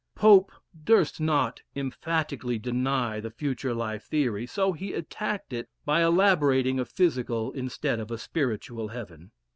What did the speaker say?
Pope durst not emphatically deny the future life theory, so he attacked it by elaborating a physical instead of a spiritual heaven.